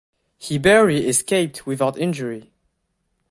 He barely escaped without injury.